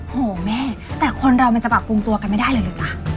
โหแม่แต่คนเรามันจะปรับปรุงตัวกันไม่ได้เลยนะจ๊ะ